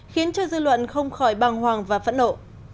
khiến cho dư luận không khỏi băng hoàng và phẫn nộ